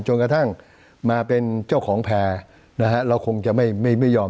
จนกระทั่งมาเป็นเจ้าของแพร่นะฮะเราคงจะไม่ไม่ยอม